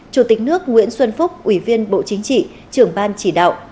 chủ tịch nước nguyễn xuân phúc ủy viên bộ chính trị trưởng ban chỉ đạo